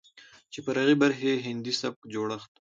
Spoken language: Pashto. چې فرعي برخې يې هندي سبک جوړښت،